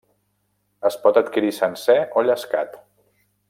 Es pot adquirir sencer o llescat.